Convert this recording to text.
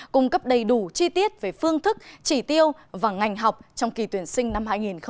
cung cấp đầy đủ chi tiết về phương thức chỉ tiêu và ngành học trong kỳ tuyển sinh năm hai nghìn hai mươi